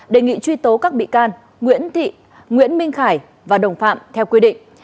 đề nghị truy tố các bị can nguyễn thị nguyễn minh khải và đồng phạm theo quy định